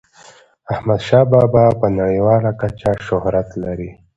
احمد شاه بابا په نړیواله کچه شهرت لري.